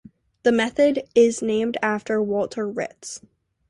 The method is named after Walter Ritz.